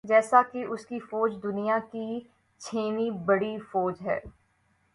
جیسا کہ اس کی فوج دنیا کی چھویں بڑی فوج ہے